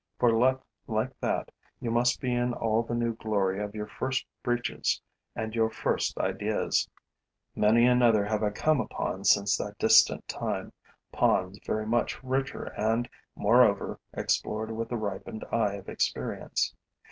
For luck like that, you must be in all the new glory of your first breeches and your first ideas. Many another have I come upon since that distant time, ponds very much richer and, moreover, explored with the ripened eye of experience.